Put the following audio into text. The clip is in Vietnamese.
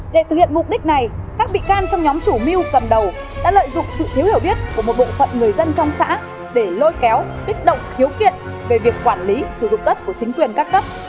để thực hiện mục đích này các bị can trong nhóm chủ mưu cầm đầu đã lợi dụng sự thiếu hiểu biết của một bộ phận người dân trong xã để lôi kéo kích động khiếu kiện về việc quản lý sử dụng đất của chính quyền các cấp